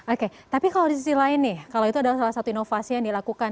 oke tapi kalau di sisi lain nih kalau itu adalah salah satu inovasi yang dilakukan